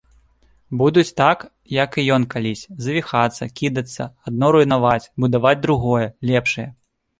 Будуць так, як і ён калісь, завіхацца, кідацца, адно руйнаваць, будаваць другое, лепшае.